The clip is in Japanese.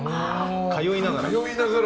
通いながら。